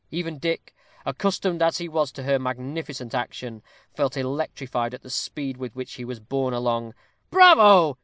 Even Dick, accustomed as he was to her magnificent action, felt electrified at the speed with which he was borne along. "Bravo!